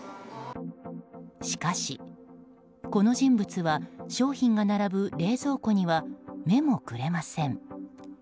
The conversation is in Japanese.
しかし、この人物は商品が並ぶ冷蔵庫には目もくれません。